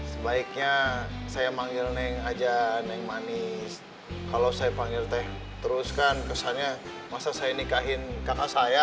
sebaiknya saya manggil neng aja neng manis kalau saya panggil teh terus kan kesannya masa saya nikahin kakak saya